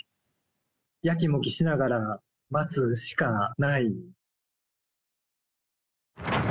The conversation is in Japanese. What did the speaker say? やきもきしながら待つしかない。